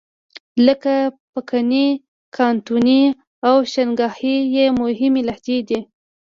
لکه پکني، کانتوني او شانګهای یې مهمې لهجې دي.